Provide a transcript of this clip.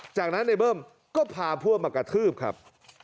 จากนั้นในเบิ้มก็พาพวกมากระทืบครับ